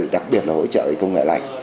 đặc biệt là hỗ trợ công nghệ lạnh